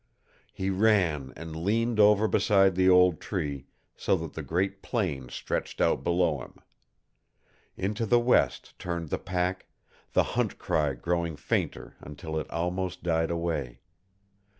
He ran and leaned over beside the old tree, so that the great plain stretched out below him. Into the west turned the pack, the hunt cry growing fainter until it almost died away.